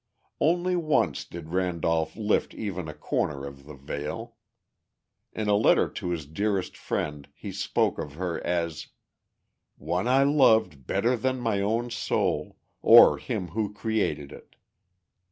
Only once did Randolph lift even a corner of the veil. In a letter to his dearest friend he spoke of her as: "One I loved better than my own soul, or Him who created it.